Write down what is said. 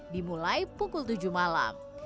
dimulai pukul tujuh malam